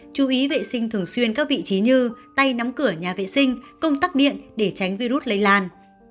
chú ý vệ sinh thường xuyên các vị trí như tay nắm cửa nhà vệ sinh công tắc điện để tránh virus lây lan